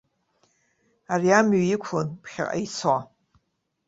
Ари амҩа иқәлан ԥхьаҟа ицо.